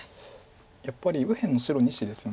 やっぱり右辺の白２子ですよね。